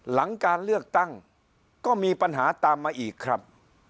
หลังการเลือกตั้งก็มีปัญหาตามมาอีกครับ